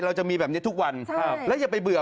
เราจะมีแบบนี้ทุกวันแล้วอย่าไปเบื่อ